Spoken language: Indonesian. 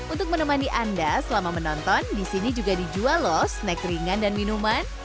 untuk menemani anda selama menonton di sini juga dijual loh snack ringan dan minuman